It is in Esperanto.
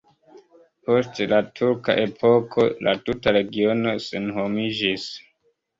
Post la turka epoko la tuta regiono senhomiĝis.